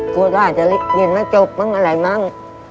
กลัวร่านจะลิ้นมาจบบ้างอะไรมั้ง